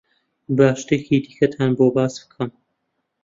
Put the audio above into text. با شتێکی دیکەتان بۆ باس بکەم.